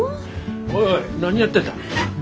おいおい何やってんだ？